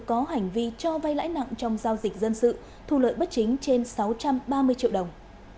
có hành vi cho vay lãi nặng trong giao dịch dân sự thu lợi bất chính trên sáu trăm ba mươi triệu đồng